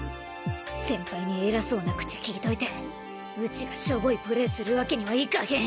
先輩にえらそうな口きいといてうちがしょぼいプレーするわけにはいかへん！